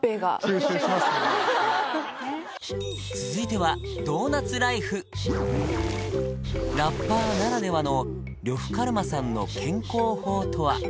続いてはラッパーならではの呂布カルマさんの健康法とは？